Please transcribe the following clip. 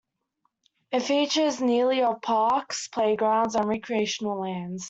It features nearly of parks, playgrounds and recreational lands.